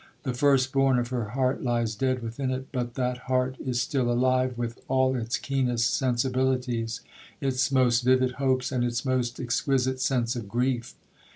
The first born of her heart lies dead within it; but that heart is still alive with all its keenest sensibilities, its most vivid hopes, and its most exquisite sense of grief.